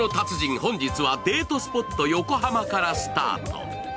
本日はデートスポット横浜からスタート。